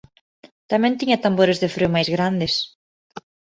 Tamén tiña tambores de freo máis grandes.